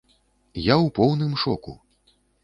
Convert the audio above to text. Я ў поўным шоку.